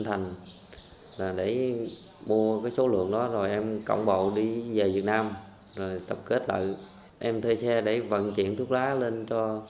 thành phố bô ma thuật lần gần nhất